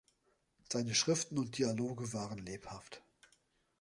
Seine Schriften und Dialoge waren lebhaft.